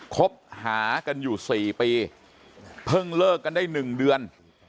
คบหากันอยู่๔ปีเพิ่งเลิกกันได้๑เดือน